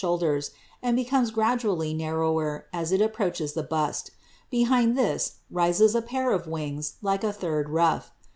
shoulders, and becomes gradually narrower as it approaches the behind this, rises a pair of wings, like a third ruff.